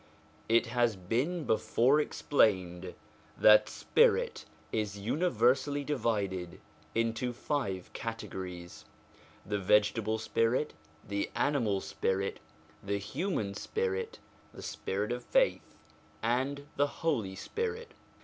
It has been before explained that spirit is universally divided into five categories : the vegetable spirit, the animal spirit, the human spirit, the spirit of faith, and the Holy Spirit.